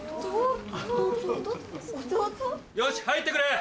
よし入ってくれ！